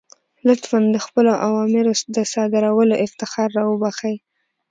لطفا د خپلو اوامرو د صادرولو افتخار را وبخښئ.